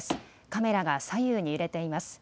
カメラが左右に揺れています。